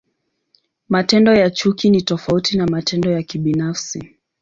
Matendo ya chuki ni tofauti na matendo ya kibinafsi.